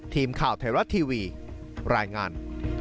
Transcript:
ทีมข่าวไทยรัฐทีวีรายงาน